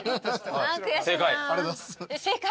正解。